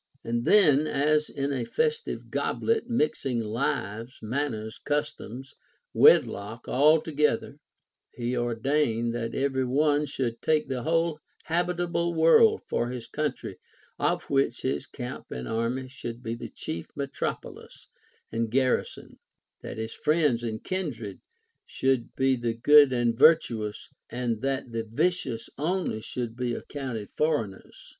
And then, as in a festival goblet, mixing lives, manners, customs, wedlock, all together, he ordained that every one should take the whole habitable world for his country, of which his camp and army should be the chief metropolis and garrison ; that his friends and kindred should be the good and virtuous, and that the vicious only should be accounted foreigners.